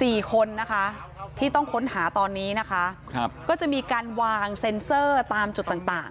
สี่คนที่ต้องค้นหาตอนนี้ก็จะมีการวางเซ็นเซอร์ตามจุดต่าง